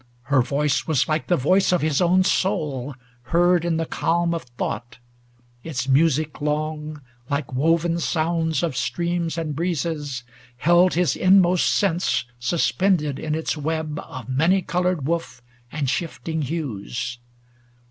Her voice was like the voice of his own soul Heard in the calm of thought; its music long, Like woven sounds of streams and breezes, held His inmost sense suspended in its web Of many colored woof and shifting hues.